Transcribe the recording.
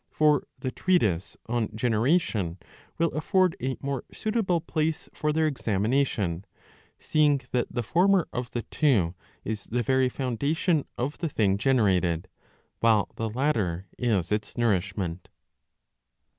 For the treatise on generation will afford a more suitable place for their examination, seeing that the former of the two is the very foundation of the thing generated, while the latter is its nourishment.